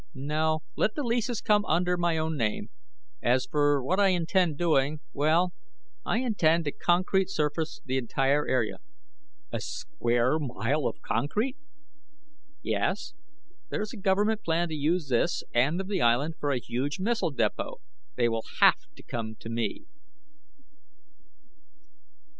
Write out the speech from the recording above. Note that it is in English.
"No. Let the leases come under my own name. As for what I intend doing, well, I intend to concrete surface the entire area." "A square mile of concrete?..." "Yes. There is a government plan to use this end of the Island for a huge missile depot. They will have to come to me."